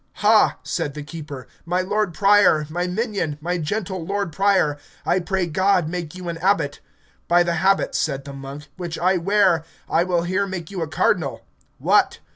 Ha, said the keeper, my lord prior, my minion, my gentle lord prior, I pray God make you an abbot. By the habit, said the monk, which I wear, I will here make you a cardinal. What!